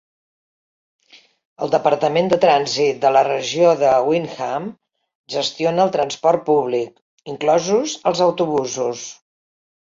El departament de trànsit de la regió de Windham gestiona el transport públic, inclosos els autobusos.